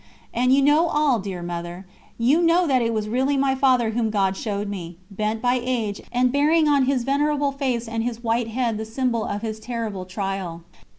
And you know all, dear Mother. You know that it was really my Father whom God showed me, bent by age, and bearing on his venerable face and his white head the symbol of his terrible trial.